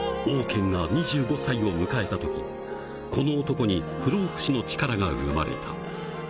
［オウケンが２５歳を迎えたときこの男に不老不死の力が生まれた］